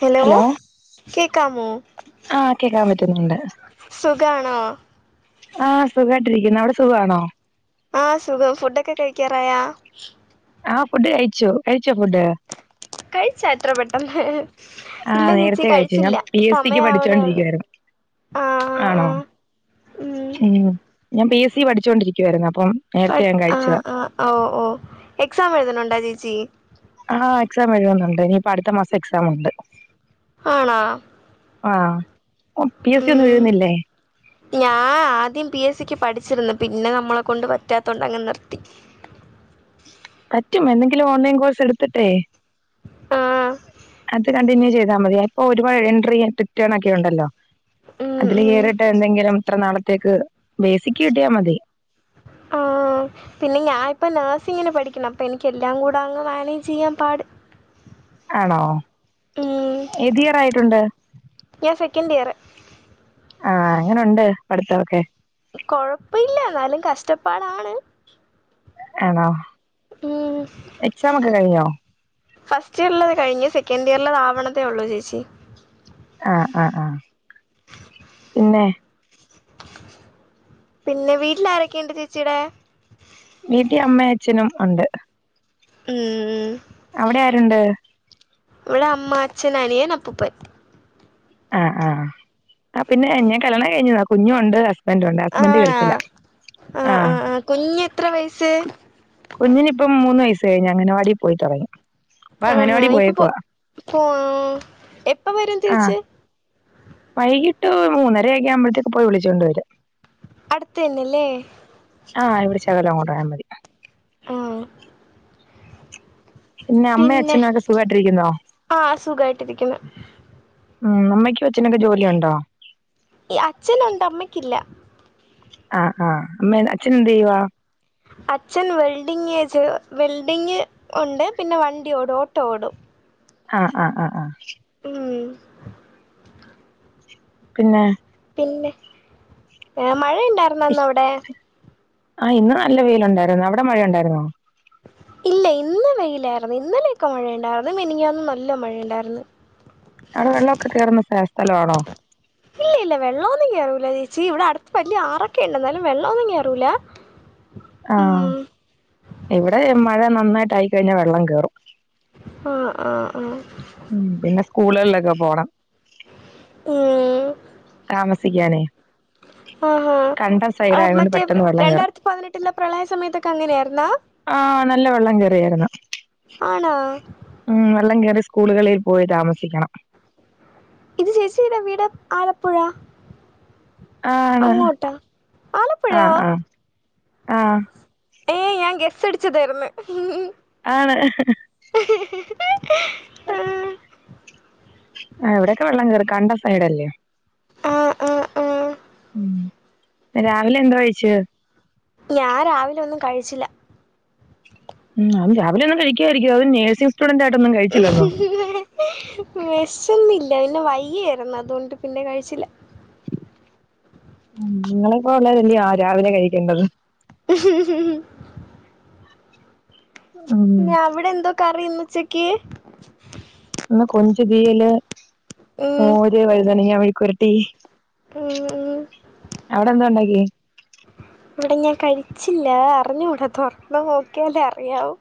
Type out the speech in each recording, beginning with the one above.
Hello കേക്കാമോ ആഹ് കേക്കാൻ പറ്റുന്നുണ്ട്. സുഖാണോ ആഹ് സുഖമായിട്ടിരിക്കുന്നു അവിടെ സുഖമാണോ? ആഹ് സുഖം ഫുഡൊക്കെ കഴിക്കാറായോ ആഹ് ഫുഡ് കഴിച്ചു കഴിച്ചോ ഫുഡ് കഴിച്ചാ ഇത്ര പെട്ടെന്ന് ഇല്ല ആഹ് ചേച്ചി നേരത്തെ കഴിച്ചു ഞാൻ കഴിച്ചില്ല പി എസ് സിക്ക് സമയാവണേ ഉള്ളൂ പഠിച്ചോണ്ടിരിക്കായിരുന്നു ആഹ് ആഹ് ആണോ ആഹ് ഉം ഞാൻ പി എസ് സി പഠിച്ചോണ്ടിരിക്കുവായിരുന്നു അപ്പം നേരത്തെ പഠ ഞാൻ കഴിച്ചതാ ആഹ് ആഹ് ഓഹ് ഓഹ് എക്സാം എഴുതുന്നുണ്ടോ ചേച്ചി ആഹ് എക്സാം എഴുതുന്നുണ്ട് ഇനിയിപ്പോ അടുത്ത മാസം എക്സാം ഉണ്ട് ആണോ ആഹ് പി എസ് സി ഒന്നും ഉം എഴുതുന്നില്ലേ ഞാൻ ആദ്യം പി എസ് സിക്ക് പഠിച്ചിരുന്നു പിന്നെ നമ്മളെ കൊണ്ട് പറ്റാത്ത കൊണ്ട് അങ്ങ് നിർത്തി പറ്റും എന്തെങ്കിലും ഓൺലൈൻ കോഴ്സ് എടുത്തിട്ടേ ആഹ് അത് കണ്ടിന്യൂ ചെയ്താൽ മതി ഇപ്പൊ ഒരുപാട് എൻട്രി റ്റേൺ ഒക്കെ ഉണ്ടല്ലോ ഉം അതില് ഉം കയറിട്ട് എന്തെങ്കിലും ഇത്ര നാളത്തേക്ക് ബേസിക്ക് കിട്ടിയാൽ മതി ആഹ് പിന്നെ ഞാനിപ്പൊ നഴ്സിങ്ങിന് പഠിക്കണെ അപ്പം എനിക്ക് എല്ലാം കൂടെ അങ്ങ് മാനേജ് ചെയ്യാൻ പാട് ആണോ ഉം ഏത് ഇയറായിട്ടുണ്ട് ഞാൻ സെക്കന്റ് ഇയർ ആഹ് എങ്ങനുണ്ട് പഠിത്തമൊക്കെ കൊഴപ്പില്ല എന്നാലും കഷ്ടപ്പാടാണ് ആണോ ഉം എക്സാം ഒക്കെ കഴിഞ്ഞോ ഫസ്റ്റ് ഇയറിലേത് കഴിഞ്ഞ് സെക്കൻഡ് ഇയറിലേത് ആവണതേ ഉള്ളൂ ചേച്ചി ആഹ് ആഹ് ആഹ് [inaudible] പിന്നെ പിന്നെ വീട്ടിൽ ആരൊക്കെയുണ്ട് ചേച്ചീടെ വീട്ടി അമ്മ അച്ഛനും ഉണ്ട് ഉം അവിടെ ആരുണ്ട് ഇവിടെ അമ്മ അച്ഛൻ അനിയൻ അപ്പൂപ്പൻ ആഹ് ആഹ് ആഹ് പിന്നെ ഞാൻ കല്യാണം കഴിഞ്ഞതാ കുഞ്ഞുവുണ്ട് ഹസ്‌ബൻ്റുണ്ട് ഹസ്ബൻ്റ് ആണാ ഗൾഫിലാ ആഹ് ആഹ് ആഹ് കുഞ്ഞ് എത്ര വയസ്സ് കുഞ്ഞിനിപ്പം മൂന്ന് വയസ് കഴിഞ്ഞു അംഗനവാടി പോയി തുടങ്ങി അപ്പൊ ആഹ് അംഗനവാടി ഇപ്പൊ പോയേക്കുവാ പോ എപ്പം വരും ആ തിരിച്ച് വൈകിട്ട് മൂന്നര ഒക്കെ ആകുമ്പൊഴത്തേക്ക് പോയി വിളിച്ചുകൊണ്ട് വരും അടുത്തന്നല്ലേ ആഹ് ഇവിടെ ചകലം അങ്ങോട്ട് പോയാൽ മതി ഉംഹ് പിന്നെ അമ്മയും അച്ഛനും ഒക്കെ സുഖായിട്ടിരിക്കുന്നോ ആഹ് സുഖായിട്ടിരിക്കുന്നു ഉം അമ്മയ്ക്കും അച്ചനുവൊക്കെ ജോലിയുണ്ടോ ഈ അച്ഛനുണ്ട് അമ്മയ്ക്കില്ല ആഹ് ആഹ് അമ്മേ അച്ഛന് എന്ത് ചെയ്യുവാ അച്ഛൻ വെൽഡിംഗ് വെൽഡിങ് ഉണ്ട് പിന്നെ വണ്ടിയോടും ഓട്ടോഓടും ആഹ് ആഹ് ആഹ് ആഹ് ഉം പിന്നെ പിന്നെ മഴ ഇണ്ടാർന്നാ അന്ന് അവിടെ? ആഹ് ഇന്ന് നല്ല വെയിലുണ്ടാരുന്നു. അവിടെ മഴ ഒണ്ടാരുന്നോ? ഇല്ല ഇന്ന് വെയിലാർന്ന് ഇന്നലെയൊക്കെ മഴയുണ്ടാർന്ന് മിനിഞ്ഞാന്ന് നല്ല മഴയുണ്ടാർന്ന്. അവിടെ വെള്ളോക്കെ കേറുന്ന സ്ഥലം ആണോ? ഇല്ല ഇല്ല വെള്ളൊന്നും കേറൂല്ല ചേച്ചി ഇവിടെ അടുത്ത് വല്യ ആറൊക്കെ ഇണ്ട് എന്നാലും വെള്ളം ഒന്നും കേറൂല്ല. ആഹ് ഇവിടെ മഴ നന്നായിട്ടായിക്കഴിഞ്ഞാൽ വെള്ളം കേറും. ആഹ് ആഹ് ആഹ്. ഉ പിന്നെ സ്കൂളുകളിലൊക്കെ പോണം ഉം താമസ സിക്കാൻ ആഹ് ഹാ ആയതുകൊണ്ട് മറ്റേ പെട്ടെന്ന് വെള്ളം കേറും. രണ്ടായിരത്തിപ്പതിനെട്ടിലെ പ്രളയ സമയത്തൊക്കെ അങ്ങനെയാർന്നാ? ആഹ് നല്ല വെള്ളം കേറിയായിരുന്ന്. ആണോ? ഉം വെള്ളം കേറിയാ സ്കൂളുകളിൽ പോയി താമസിക്കണം. ഇത് ചേച്ചീടെ വീട് ആലപ്പുഴ ആണ് അങ്ങോട്ടാ ആലപ്പുഴയോ ആഹ് ആഹ് ആഹ്. ഏ ഞാൻ ഗെസ്സടിച്ചതായിരുന്ന്. ആണ് ആഹ് ആഹ് ഇവിടൊക്കെ വെള്ളം കേറും കണ്ടം സൈഡല്ലേ ആ ആ ആ ഉം രാവിലെ എന്തോ കഴിച്ച്? ഞാൻ രാവിലെ ഒന്നും കഴിച്ചില്ല. ഉം അത് രാവിലെ ഒന്നും കഴിക്കാതിരിക്കുവൊ അതും നേഴ്സി സ്റ്റുടന്റാആയിടട്ടൊന്ന് വെശന്നില്ല പിന്നെ വയ്യാരുന്ന് അതുകൊണ്ട് പിന്നെ കഴിച്ചില്ല. ഉം നിങ്ങളെപ്പോലെ ഉള്ളവരല്ലിയോ രാവിലെ കഴിക്കണ്ടത്. ഉം ഉം ഉം ഞാ അവിടെന്തോ കറി ഇന്ന് ഉച്ചക്ക്? ഇന്ന് കൊഞ്ച് തീയല്, ഉം മോര്, വഴുതനങ്ങ മെഴുക്കൂവരട്ടീ ഉം ഉം അവിടെന്തോ ഒണ്ടാക്കി? ഇവിടെ ഞാൻ കഴിച്ചില്ല അറിഞ്ഞൂടാ തൊറന്ന് നോക്കിയാലെ അറിയാവു.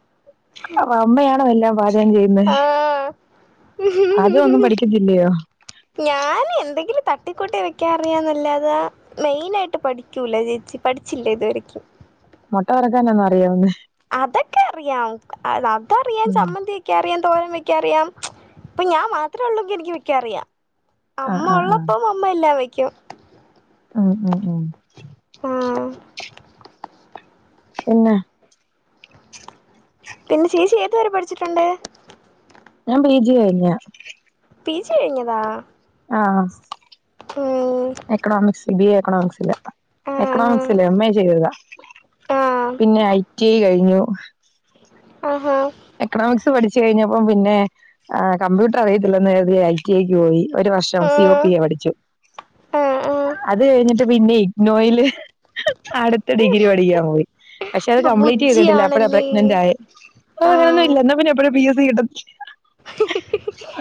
അമ്മയാണോ എല്ലാം പാചകം ചെയ്യുന്നെ? ആഹ് പാചകം ഒന്നും പഠിക്കത്തില്ലിയോ? ഞാന് എന്തെങ്കിലും തട്ടിക്കൂട്ടി വെക്കാ അറിയാന്നല്ലാതെ മെയിൻ ആയിട്ട് പഠിക്കൂല ചേച്ചി പഠിച്ചില്ല ഇതുവരെക്കും. മൊട്ട വറക്കാനാന്നോ അറിയാവുന്നെ? അതൊക്കെ അറിയാം അതറിയാം ഉം സമ്മന്തി വെ ക്കാറിയാം തോരൻ വക്കാറിയാം ഇപ്പൊ ഞാൻ മാത്രേ ഉള്ളങ്കി എനിക്ക് വെക്കാറിയാം. ആഹ് അമ്മ ആഹ് ആഹ് ഒള്ളപ്പം അമ്മ എല്ലാം വെക്കും. ഉം ഉം ഉം ആഹ് പിന്നെ പിന്നെ ചേച്ചി ഏതുവരെ പഠിച്ചിട്ടുണ്ട്? ഞാൻ പി ജി കഴിഞ്ഞയാ. പീ ജി കഴിഞ്ഞതാ? ആഹ് ഓഹ് എക്കണോമിക്സ് ബിഎ എക്കണോമിക്സിലെ ആഹ് എക്കണോമിക്സിൽ എം എ ചെയ്തതാ ആഹ് പിന്നെ ഐ ടി ഐ കഴിഞ്ഞു. ഓഹോ എക്കണോമിക്സ് പഠിച്ചു കഴിഞ്ഞപ്പം പിന്നെ കമ്പ്യൂട്ടർ അറിയത്തില്ല എന്ന് കരുതി ഐടിഐ ക്ക് പോയി ഒരു വർഷം ആഹ് സിഒപിഎ പഠിച്ചു ആഹ് ആഹ് അത് കഴിഞ്ഞിട്ട് പിന്നെയെ നോയില് അടുത്ത ഡിഗ്രി പഠിക്കാൻ പോയി പക്ഷെ അത് ഇപ്പൊ കംപ്ലീറ്റ് ചെയ്തിട്ടില്ല അപ്പഴാ ബുജ്ജിയാണല്ലേ പ്രഗ്നന്റ് ആയെ ആഹ് അങ്ങനൊന്നുയില്ല എന്നാ പിന്നെ എപ്പഴും പി എസ് സി കിട്ടത്തില്ല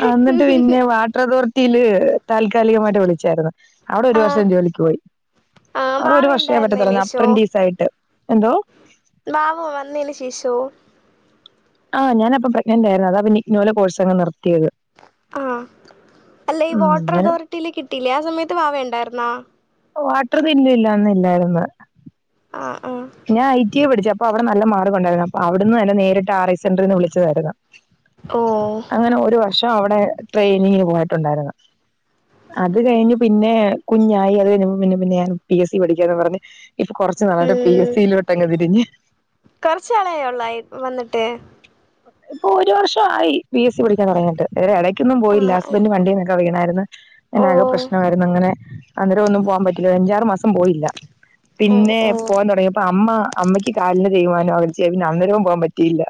ആഹ് അന്നിട്ട് പിന്നെ വാ ട്ടർ അതോർട്ടില് താല്ക്കാലികമായിട്ട് വിളിച്ചാരുന്നു അവിടെ ഒരു ആഹ് വർഷം ജോലിക്ക് പോയി ആഹ് ബാവ അവിടൊരു വർഷേ പറ്റതൊള്ളൂ ഉണ്ടായിരുന്നേനേശോ അപ്രൻറിസയിട്ട് എന്തോ വാവോ വന്നേന് ശേഷമോ ആഹ് ഞാനപ്പ പ്രഗ്ന്ന്റായിരുന്നു അതാ പിന്നെ ഇകനൗലെ കോഴ്സ് അങ്ങ് നിർത്തിയത് ആഹ് അല്ല ഈ ഉം വാട്ടർ അങ്ങനെ അതോറിറ്റിൽ കിട്ടിയില്ലേ ആ സമയത്ത് വാവയുണ്ടാരുന്നോ വാട്ടർ ബില്ല് അന്ന് ഇല്ലയില്ലായിരുന്ന് ആഹ് ആഹ് ഞാൻ ഐടിഎ പഠിച്ച അപ്പൊ അവിടെ നല്ല മാർഗ് ഒണ്ടായിരുന്നു അപ്പൊ അവിടുന്ന് തന്നെ നേരിട്ട് ആർ ഐ സെൻഡറിന്ന് വിളിച്ചതായിരുന്നു ഓ അങ്ങനെ ഒരു വർഷം അവിടെ ട്രെയിനിങ്ങിന് പോയിട്ടുണ്ടാരുന്നു അത് കഴിഞ്ഞ് പിന്നെ കുഞ്ഞായി അത് കഴിഞ്ഞപ്പോ പിന്നെ പിന്നെ ഞാൻ പിഎസ് സി പഠിക്കാന്ന് പറഞ്ഞ് ഇപ്പൊ കൊറച്ച്നാളയിട്ട് പിഎസ് ഉം സി ലോട്ടെങ്ങ് തിരിഞ്ഞ് കൊറച്ച് നാളായോ ഒള്ളിയി വന്നിട്ട് ഇപ്പൊ ഒരു വർഷം ആയി ബി എസ് സി പഠിക്കാൻ തെടങ്ങിട്ട് ഇതിൽ ഇടക്കൊന്നും പോയില്ല ആഹ് ഹസ്ബൻഡ് വണ്ടിന്നൊക്കെ വീണായിരുന്നു ഓ പിന്നാകെ പ്രശ്നമായിരുന്നു അങ്ങനെ അന്നേരം ഒന്നും പോവൻ പറ്റില്ല ഒരഞ്ചാറു മാസം പോയില്ല ഓ പിന്നെ ഓ പോവാൻ തെടങ്ങിയ അപ്പൊ അമ്മ അമ്മക്ക് കാലിന് തെയിമനാം പിടിച്ച് അന്നേരവും പോവാൻ പറ്റിയില്ല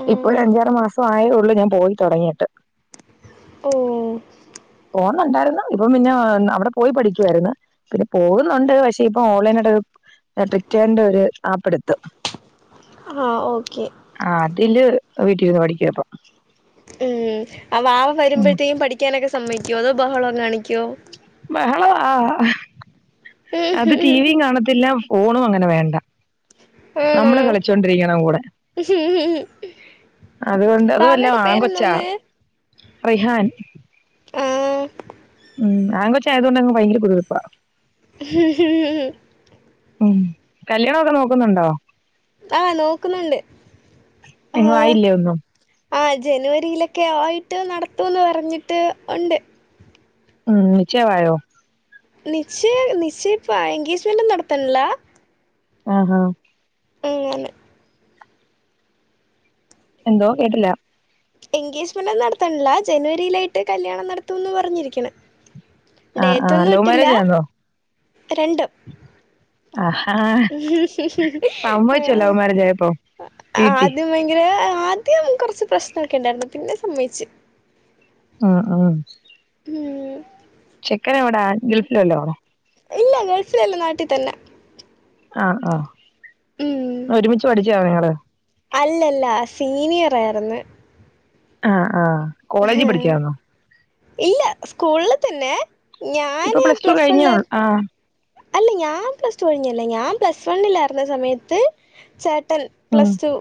ഉം ഒര്അഞ്ചാറ് മാസായെ ഉള്ളൂ ഞാൻ പോയി തെടങ്ങിയിട്ട് ഓഹ് പോന്നുണ്ടായിരുന്നു ഇപ്പം പിന്നെ അവിടെ പോയി പഠിക്കുവായിരുന്നു പിന്നെ പോകുന്നുണ്ട് പക്ഷെ ഇപ്പൊ ഓൺലൈനയിട്ട് പ്പിറ്റേണ്ട ഒരു ആപ്പെടുത്തു ആഹ് ഓക്കെ ആഹ് അതില് വീട്ടിലിരിന്ന് പഠിക്കുവാ ഇപ്പം ഉം അവാവ ഉം വരുമ്പഴത്തേക്കും പഠിക്കാനൊക്കെ സമ്മതിക്കുവോ അതോ ബഹളം കാണിക്കുവോ ബഹള ആഹ് അത് ടിവി കാണത്തില്ല ഫോണും അങ്ങനെ വേണ്ട ആണോ നമ്മള് കളിച്ചോണ്ടിരിക്കണം കൂടെ അതുകൊണ്ട് അതുവല്ല വാവയുടെ ആൺകൊച്ച പേരെന്തോന്ന് റെയ്ഹാൻ ആഹ് ഉം ആഹ് ആൺകൊച്ചായതുകൊണ്ട് അങ്ങ് ഭയങ്കര കുരു കുരൂ പ്പാ ഹ ഹ ഉം കല്യാണൊക്കെ നോക്കുന്നുണ്ടോ ആഹ് നോക്കുന്നുണ്ട് എങ്ങും ആഹ് ആയില്ലേ ഒന്നും ആഹ് ജനുവരിയില് ക്കെ ആയിട്ട് നടത്തും എന്ന് പറഞ്ഞിട്ട് ഒണ്ട് ഉം നിശ്ചയം ആയോ നിശ്ചയം നിശ്ചയ ഇപ്പെ ആയെങ്കി എൻഗേജ്മെന്റ് നടത്തണനില്ല ആഹ് ആഹ് ഇങ്ങനെ എന്തോ കേട്ടില്ല എൻഗേജ്മെന്റ് ഒന്നും നടത്തണില്ല ജനുവരിയിലായിട്ട് കല്യാണം നടത്തൂന്ന് പറഞ്ഞിരിക്കണെ ആ ആ ഡേറ്റ് ഒന്നും ലവ് ഇട്ടില്ല മാരേജ് ആന്നോ രണ്ടം ആഹാ സമ്മതിച്ചോ ലവ് മാരേജ് ആയപ്പോ ആ വീട്ടി ആത് ഭയങ്കര ആ ദ്യം കൊർച്ച് പ്രശ്നക്കെണ്ടായിരുന്നു പിന്നെ സമ്മയ്ച്ച് ആ ആ ഉം ചെക്കന് എവടെ ഗൾഫിൽ വല്ലോ ആണോ ഇല്ല ഗൾഫിലല്ല നാട്ടി തന്നെ ആ ആ ഉം ഒരുമിച്ച് പഠിച്ച ആണോ നിങ്ങള് അല്ലല്ല സിനിയറായിര്ന്ന് ആഹ് ആഹ് ഇല്ല സ്കൂൾല് തന്നെ ഇപ്പൊ ഞാന് ടു പ്ലസ് കഴിഞ്ഞേ ഉള്ളൂ വൺലാര് ആ അല്ല ഞാൻ പ്ലസ് ടു കഴിഞ്ഞല്ല ഞാൻ പ്ലസ് വണ്ണിലായിരുന്ന സമയത്ത് ചേട്ടൻ ഉം പ്ലസ് ടു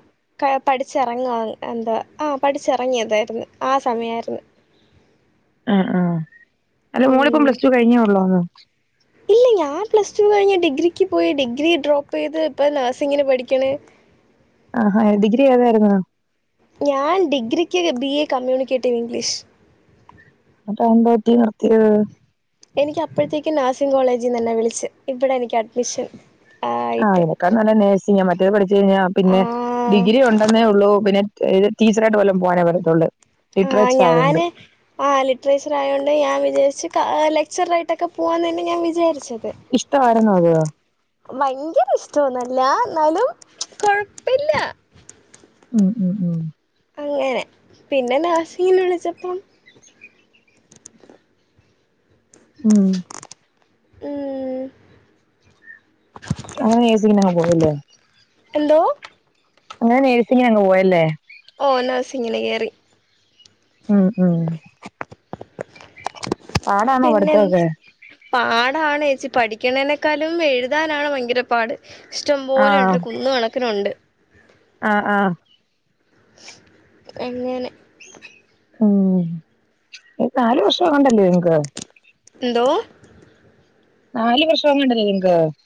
ക്ക പഠിച്ചറങ്ങ എന്താ ആ പഠിച്ചറങ്ങിയതായിരുന്നു ആ സമയായിരുന്നു ആ ആ അല്ല മോളിപ്പം ഉം പ്ലസ് ടു കഴിഞ്ഞേ ഉള്ളോന്നോ ഇല്ല ഞാൻ പ്ലസ് ടു കഴിഞ്ഞു ഡിഗ്രിക്ക് പോയി ഡിഗ്രി ഡ്രോപ്പയ്ത് ഇപ്പം നേഴ്സിങ്ങിന് പഠിക്ക്ണ് ആഹാ ഡിഗ്രി ഏതായിരുന്നു ഞാൻ ഡിഗ്രിക്ക് ബി എ കമ്മ്യൂണിക്കേറ്റീവ് ഇംഗ്ലീഷ് ന്നട്ട് എന്ത് പറ്റി നിർത്തിയത് എനിക്ക് അപ്പഴെത്തെക്കും നഴ്സിംഗ് കോളെജിന്ന് എന്നെ വിളിച്ച് ഇപ്പയാ എനിക്ക് അഡ്മിഷൻ ആ ആയിട്ട് അയിനേക്കാൾ നല്ലത് നെഴ്സിങാ മറ്റേത് പഠിച് കഴിഞ്ഞാ പിന്നെ ആ ഡിഗ്രി ഉണ്ടെന്നേ ഒള്ളൂ പിന്നെ ഇത് ടീച്ചറായിട്ട് വല്ലോം പോവനെ പറ്റത്തുള്ള് ആ ഞാന് ആ ലിറ്ററേച്ചർ ആയോണ്ട് ഞാൻ വിചാരിച്ച് ക ലെക്ചറായിട്ടൊക്കെ പോവാന്നന്നെ ഞാൻ വിചാരിച്ചത് ഇഷ്ടമായിരുന്നോ അത് ഭയങ്കര ഇഷ്ടോന്നല്ല ന്നാലും കൊഴപ്പല്ല ഉം ഉം ഉം അങ്ങനെ പിന്നെ നഴ്സിങ്ങിന് വിളിച്ചപ്പം ഉം ഉം അങ്ങനെ നഴ്സിങ്ങിന് ഒക്കെ പോയി ലേ എന്തോ അങ്ങനെ നഴ്സിങ്ങിന് അങ്ങ് പോയല്ലേ ഓ നഴ്സിങ്ങിന് കെറി ഉം ഉം പാടാണോ പിന്നെ എൻ പഠിത്തമൊക്കെ പാടാണ് ഏച്ചി പഠിക്ക്ണെനാക്കാളും എഴുതാനാണ് ഭയങ്കര പാട് ആ ഇഷ്ടംപോലണ്ട് കുന്നുകണക്കിന് ഉണ്ട് ആ ആ എങ്ങനെ ഉം നാലുവർഷാങ്ങോണ്ടല്ലേ [unintelligible] എന്തോ നാല് വർഷാങ്ങണ്ടല്ലേ [unintelligible]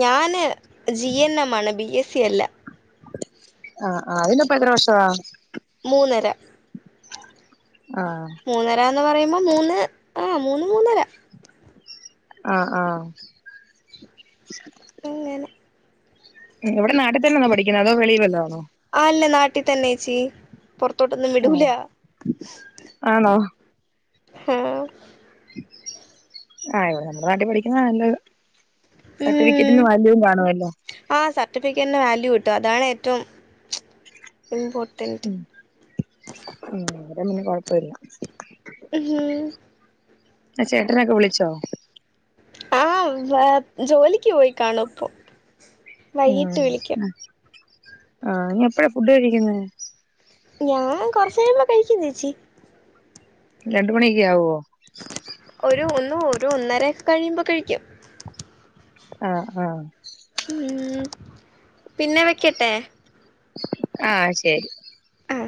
ഞാന് ജി എൻ എം ആണ് ബി എസ് സി അല്ല ആ ആ അയിനിപ്പേത്ര വർഷവാ മൂന്നര ആ മൂന്നരാന്നു പറയുമ്പം മൂന്ന് ആ മൂന്ന് മൂന്നര ആ ആ അങ്ങനെ എവിടെ നാട്ടി തന്നാണോ പഠിക്കുന്ന അതോ വെളി വല്ലാണോ അല്ല നാട്ടി തന്നെ എച്ചി പൊറത്തോട്ടൊന്നും വിടൂല ആന്നോ ആഹ് ആഹ് ഇവടെ നമ്മുടെ നാട്ടിൽ പഠിക്കുന്നതാ നല്ലത് സർട്ടിഫിക്കറ്റിനു വാല്യുവും കാണുവല്ലോ ആഹ് സർട്ടിഫിക്കറ്റിനു വാല്യൂ കിട്ടും അതാണ് ഏറ്റവും ഇമ്പോർ ഉം അവരെന്നെ കുഴപ്പല്യ ഉം ആ ചേട്ടനൊക്കെ വിളിച്ചോ ആഹ് ജോലിക്ക് പോയി കാണും പ്പൊ ഉം ആ നി എപ്പഴാ ഫുഡ് കഴിക്കുന്നെ ഞാൻ കൊർച്ചയ്യുമ്പോ കഴിക്കും ചേച്ചി രണ്ടു മണീക്ക്യാവോ ഒരു ഒന്ന് ഒരു ഒന്നര ക്കെ കഴിയുമ്പോ കഴിക്കും ആഹ് ആഹ് ഉം പിന്നെ വെക്കട്ടെ ആഹ് ശരി ആ